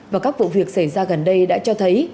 và các vụ việc xảy ra gần đây đã cho thấy